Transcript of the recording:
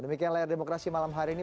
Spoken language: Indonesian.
demikian layar demokrasi malam hari ini